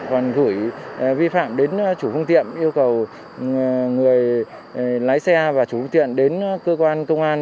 còn gửi vi phạm đến chủ phương tiện yêu cầu người lái xe và chủ phương tiện đến cơ quan công an